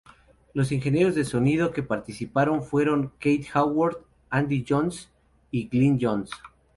Los ingenieros de sonido que participaron fueron Keith Harwood, Andy Johns y Glyn Johns.